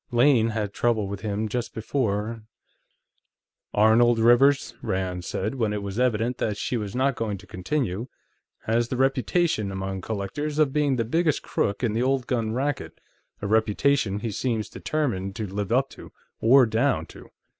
Lane had some trouble with him, just before ..." "Arnold Rivers," Rand said, when it was evident that she was not going to continue, "has the reputation, among collectors, of being the biggest crook in the old gun racket, a reputation he seems determined to live up or down to.